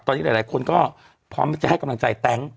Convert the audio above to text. ตอนนี้หลายคนก็พร้อมจะให้กำลังใจแต๊ง